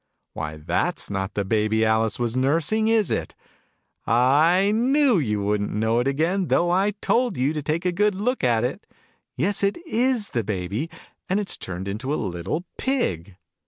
" Why, that' 8 not the Baby that Alice was nursing, is it ?" Ah, I knew you wouldn't know it again, though I told you to take a good look at it ! Yes, it is the Baby. And it's turned into a little Pig